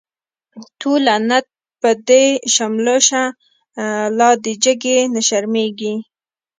تو لعنت په دی شملو شه، لادی جگی نه شرمیږی